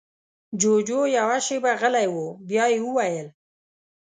جُوجُو يوه شېبه غلی و، بيا يې وويل: